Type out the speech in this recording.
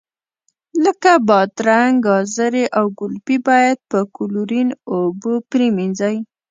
لکه بادرنګ، ګازرې او ګلپي باید په کلورین اوبو پرېمنځئ.